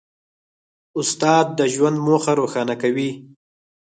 استاد د ژوند موخه روښانه کوي.